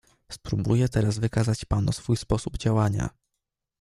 "Spróbuję teraz wykazać panu swój sposób działania."